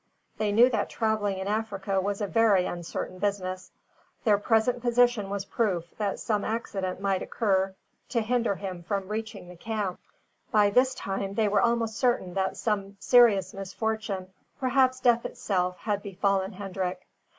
They knew that travelling in Africa was a very uncertain business. Their present position was proof that some accident might occur to hinder him from reaching the camp. By this time they were almost certain that some serious misfortune, perhaps death itself, had befallen Hendrik.